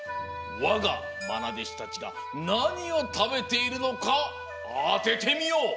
わがまなでしたちがなにをたべているのかあててみよ！